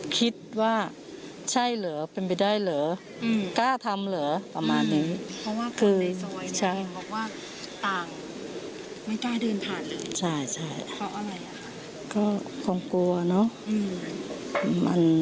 ความกลัวเนอะ